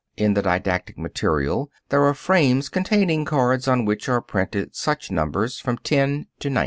In the didactic material there are frames containing cards on which are printed such numbers from 10 to 90.